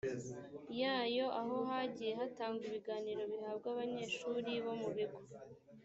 yayo aho hagiye hatangwa ibiganiro bihabwa abanyeshuri bo mu bigo